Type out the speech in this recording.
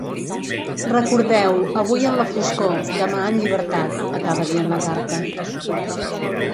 Recordeu-ho avui en la foscor, demà en llibertat, acaba dient la carta.